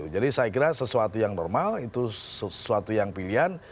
jadi saya kira sesuatu yang normal itu sesuatu yang pilihan